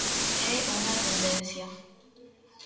É unha tendencia.